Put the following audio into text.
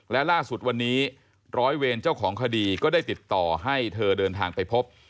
และล่าสุดวันนี้ร้อยเวรเจ้าของคดีก็ได้ติดต่อให้เธอเดินทางไปพบ